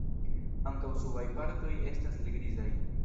Ankaŭ subaj partoj estas helgrizaj.